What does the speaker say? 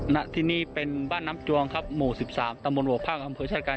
น่ะที่นี่เป็นบ้านน้ำจวงครับหมู่สิบสามตระบวนหัวภาคอำเภอชาติการ